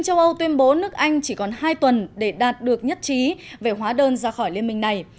hãy đăng ký kênh để nhận thông tin nhất